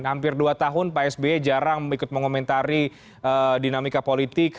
hampir dua tahun psb jarang mengikuti mengomentari dinamika politik